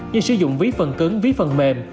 như sử dụng ví phần cứng ví phần mềm